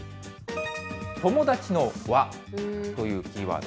友達の輪というキーワード。